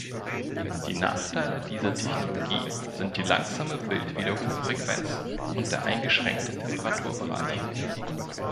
Die Nachteile dieser Technologie sind die langsame Bildwiederholfrequenz und der eingeschränkte Temperaturbereich.